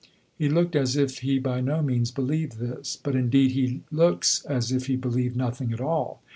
He looked as if he by no means believed this; but, indeed, he looks as if he believed nothing at all.